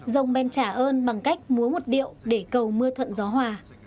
dòng bên trả ơn bằng cách múa một điệu để cầu mưa thuận gió hòa